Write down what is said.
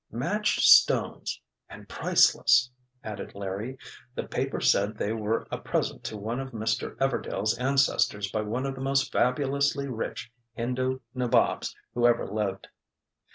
"Matched stones—and priceless," added Larry. "The paper said they were a present to one of Mr. Everdail's ancestors by one of the most fabulously rich Hindu Nabobs who ever lived."